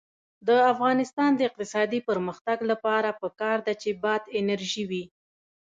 د افغانستان د اقتصادي پرمختګ لپاره پکار ده چې باد انرژي وي.